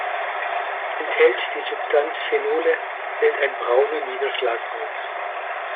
Enthält die Substanz Phenole, fällt ein brauner Niederschlag aus.